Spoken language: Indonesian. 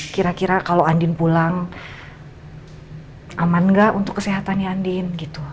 kira kira kalau andin pulang aman nggak untuk kesehatan ya andin